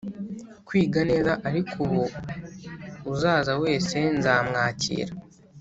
kwiga neza ariko ubu uzaza wese nzamwakira